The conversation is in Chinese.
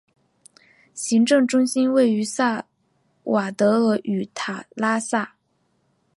行政中心位于萨瓦德尔与塔拉萨。